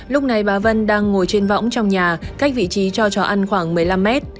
lúc này bà vân đang ngồi trên võng trong nhà cách vị trí cho chó ăn khoảng một mươi năm mét